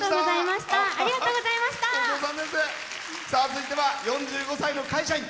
続いては４５歳の会社員。